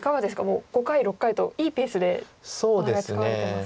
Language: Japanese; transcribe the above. もう５回６回といいペースでお互い使われてます。